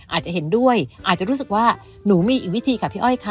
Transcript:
อาจจะเห็นด้วยอาจจะรู้สึกว่าหนูมีอีกวิธีค่ะพี่อ้อยค่ะ